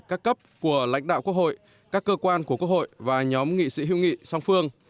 các cấp của lãnh đạo quốc hội các cơ quan của quốc hội và nhóm nghị sĩ hữu nghị song phương